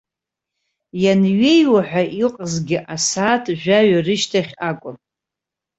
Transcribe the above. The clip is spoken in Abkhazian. Ианҩеиуа ҳәа иҟазгьы асааҭ жәаҩа рышьҭахь акәын.